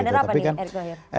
ini kader apa nih erick thohir